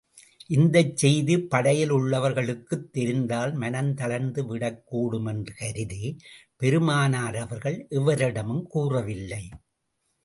இந்தச் செய்தி படையிலுள்ளவர்களுக்குத் தெரிந்தால், மனம் தளர்ந்து விடக் கூடும் என்று கருதி பெருமானார் அவர்கள் எவரிடமும் கூறவில்லை.